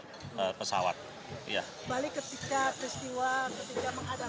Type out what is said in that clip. balik ketika peristiwa ketika menghadapi kondisi yang tidak biasa